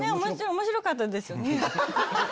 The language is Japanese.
面白かったですよね。